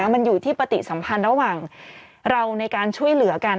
มันอยู่ที่ปฏิสัมพันธ์ระหว่างเราในการช่วยเหลือกัน